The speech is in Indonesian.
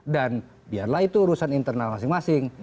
dan biarlah itu urusan internal masing masing